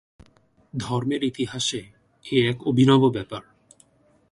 ধর্মের ইতিহাসে এ এক অভিনব ব্যাপার।